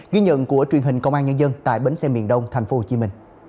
ghi nhận của truyền hình công an nhân dân tại bến xe miền đông tp hcm